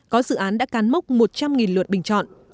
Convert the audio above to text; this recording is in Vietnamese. có dự án đã cán mốc một trăm linh lượt bình chọn